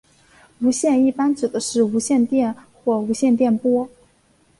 无线一般指的是无线电或无线电波。